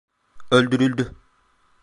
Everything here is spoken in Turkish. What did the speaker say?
Öldürüldü.